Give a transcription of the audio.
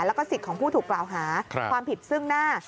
แล้วก็สิทธิ์ของผู้ถูกกล่าวหาความผิดซึ่งหน้า